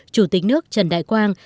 chủ tịch nước trần đại quang